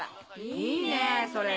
いいねぇそれ。